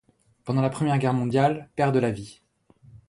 Pendant la Première Guerre mondiale, perdent la vie.